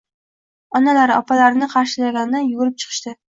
onalari, opalarini qarshilagani yugurib chiqishdi.